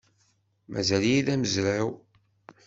Mazal-iyi d amezraw.